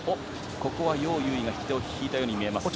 ヨウ・ユウイが引き手を引いたように見えますが。